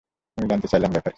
আমি জানতে চাইলাম, ব্যাপার কী?